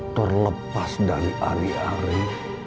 terlepas dari ari ari